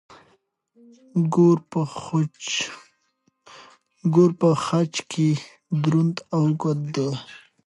ګور په خج کې دروند او اوږد دی.